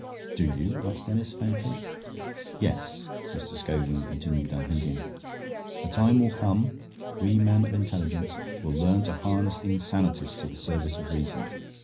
"Do you?" asked Denis faintly. "Yes," Mr. Scogan continued, unheeding, "the time will come. We men of intelligence will learn to harness the insanities to the service of reason.